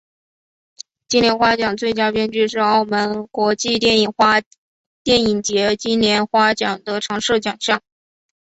金莲花奖最佳编剧是澳门国际电影节金莲花奖的常设奖项。